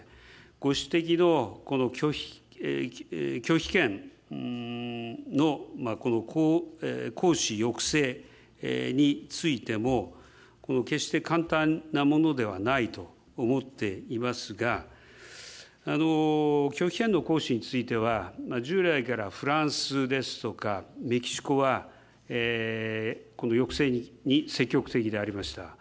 ご指摘のこの拒否権の行使抑制についても、決して簡単なものではないと思っていますが、拒否権の行使については、従来からフランスですとか、メキシコは、この抑制に積極的でありました。